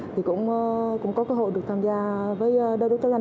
thì cũng có cơ hội được tham gia với đối tác danh